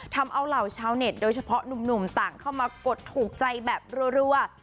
ทำเอาเหล่าชาวเน็ตโดยเฉพาะหนุ่มต่างเข้ามากดถูกใจแบบรัว